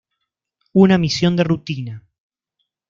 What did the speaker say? Una misión de rutina.